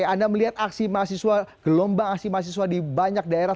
anda melihat aksi mahasiswa gelombang aksi mahasiswa di banyak daerah